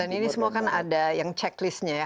dan ini semua kan ada yang checklistnya ya